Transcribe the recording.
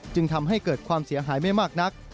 จึงทำให้เกิดความเสียหายไม่มากนัก